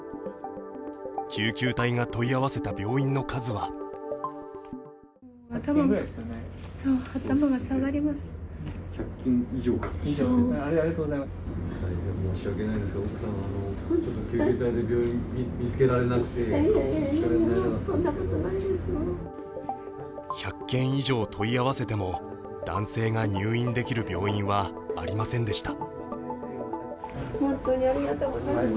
救急隊が問い合わせた病院の数は１００件以上問い合わせても、男性が入院できる病院はありませんでした。